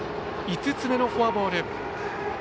５つ目のフォアボール。